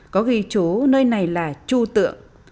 có ghi chú nơi này là chu tượng